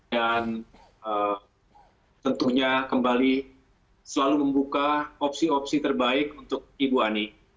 dan tentunya kembali selalu membuka opsi opsi terbaik untuk ibu ani